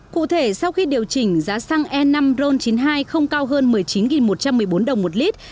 cụ thể sau khi điều chỉnh giá xăng e năm ron chín mươi hai không cao hơn một mươi chín một trăm một mươi bốn đồng một lít